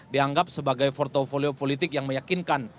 dianggap sebagai portfolio politik yang meyakinkan